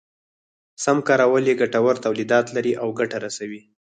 سم کارول يې ګټور توليدات لري او ګټه رسوي.